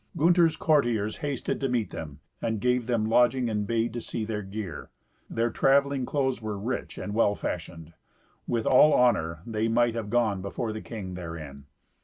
Gunther's courtiers hasted to meet them, and gave them lodging, and bade see to their gear. Their travelling clothes were rich and well fashioned. With all honour they might have gone before the king therein.